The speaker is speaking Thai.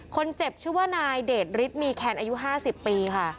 คนเจ็บชื่อว่านายเดชฤทธิมีแคนอายุ๕๐ปีค่ะ